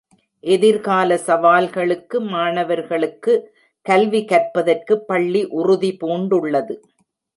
எதிர்கால சவால்களுக்கு மாணவர்களுக்கு கல்வி கற்பதற்கு பள்ளி உறுதிபூண்டுள்ளது